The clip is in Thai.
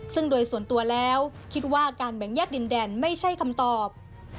ซึ่งโดยส่วนตัวแล้วคิดว่าการแบ่งแยกดินแดนไม่ใช่คำตอบ